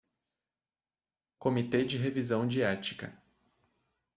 Comitê de revisão de ética